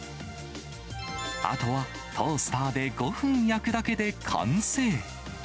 あとはトースターで５分焼くだけで完成。